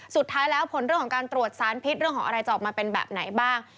สุดท้ายแล้วผลเรื่องของการตรวจสารพิษเรื่องของอะไรจะออกมาเป็นแบบไหนบ้าง